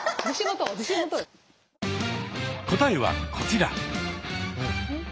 答えはこちら。